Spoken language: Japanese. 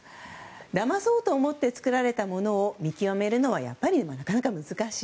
だまそうと思って作られたものを見極めるのはやっぱり、なかなか難しい。